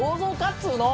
っつうの。